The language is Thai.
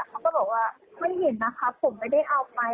เขาก็บอกว่าไม่เห็นนะครับผมไม่ได้เอาไป